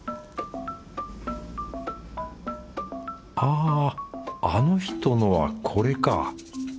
ああの人のはこれか。